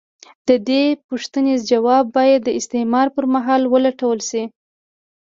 د دې پوښتنې ځواب باید د استعمار پر مهال ولټول شي.